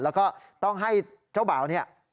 แล้วก็ต้องให้เจ้าเบ่า